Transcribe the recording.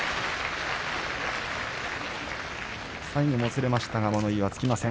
最後もつれましたが物言いはつきません。